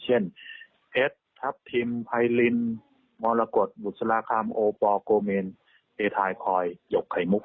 เช่นเอ็ดทัพทิมไพรินมรกฎบุษราคามโอปอร์กโมเมนเฮทายคอยหยกไขมุก